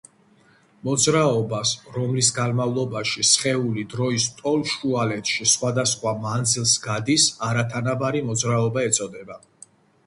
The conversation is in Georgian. მოძრაობას, რომლის განმალობაში სხეული დროის ტოლ შუალედში სხვადასხვა მანძილს გადის, არათანაბარი მოძრაობა ეწოდება.